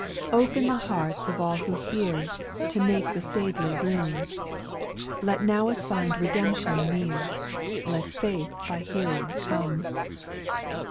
2. Open the hearts of all who hear, To make the Saviour room ; Now let us find redemption near, Let faith by hearing come.